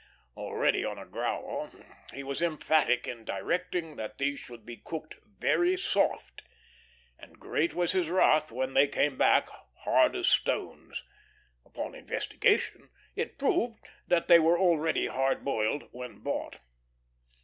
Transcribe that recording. Already on a growl, he was emphatic in directing that these should be cooked very soft, and great was his wrath when they came back hard as stones. Upon investigation it proved that they were already hard boiled when bought.